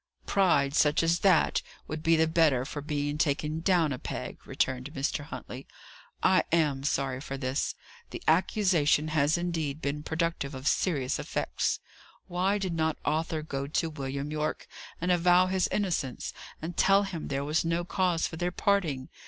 "Pride, such as that, would be the better for being taken down a peg," returned Mr. Huntley. "I am sorry for this. The accusation has indeed been productive of serious effects. Why did not Arthur go to William Yorke and avow his innocence, and tell him there was no cause for their parting?